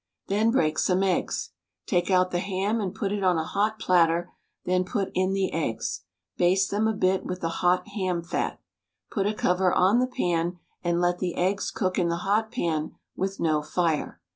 Then break some eggs. Take out the ham and put it on a hot platter, then put in the eggs. Baste them a bit with the hot ham fat. Put a cover on the pan and let the eggs cook in the hot pan with no iire.